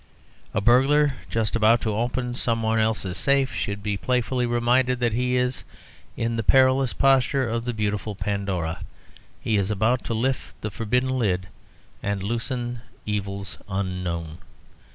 A burglar just about to open some one else's safe should be playfully reminded that he is in the perilous posture of the beautiful Pandora: he is about to lift the forbidden lid and loosen evils unknown.